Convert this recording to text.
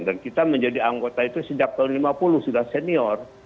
dan kita menjadi anggota itu sejak tahun lima puluh sudah senior